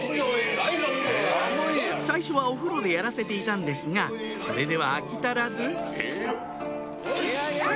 最初はお風呂でやらせていたんですがそれでは飽き足らずはい！